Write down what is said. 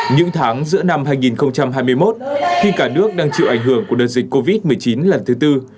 những tháng giữa năm hai nghìn hai mươi một khi cả nước đang chịu ảnh hưởng của đợt dịch covid một mươi chín lần thứ tư